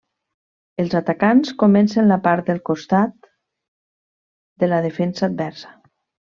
Els atacants comencen la part del costat de la defensa adversa.